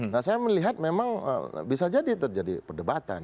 nah saya melihat memang bisa jadi terjadi perdebatan